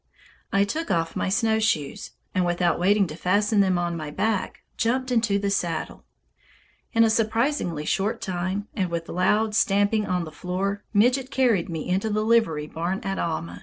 I took off my snowshoes, and without waiting to fasten them on my back, jumped into the saddle. In a surprisingly short time, and with loud stamping on the floor, Midget carried me into the livery barn at Alma.